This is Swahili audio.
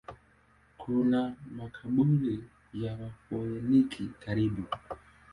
Kuna makaburi ya Wafoeniki karibu.